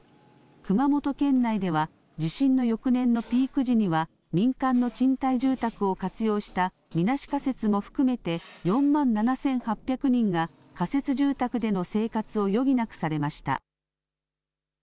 熊本県内では地震の翌年のピーク時には民間の賃貸住宅を活用したみなし仮設も含めて４万７８００人が仮設住宅での生活を余儀なくされました。